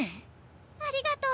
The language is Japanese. ありがとう！